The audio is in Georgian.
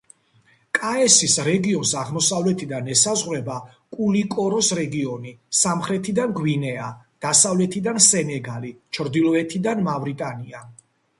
კაესის რეგიონს აღმოსავლეთიდან ესაზღვრება კულიკოროს რეგიონი, სამხრეთიდან გვინეა, დასავლეთიდან სენეგალი, ჩრდილოეთიდან მავრიტანია.